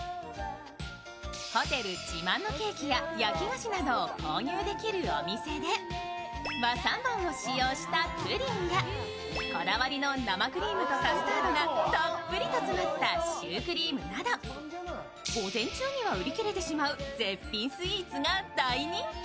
ホテル自慢のケーキや焼き菓子などを購入できるお店で和三盆を使用したプリンやこだわりの生クリームとカスタードがたっぷりと詰まったシュークリームなど、午前中には売り切れてしまう絶品スイーツが大人気。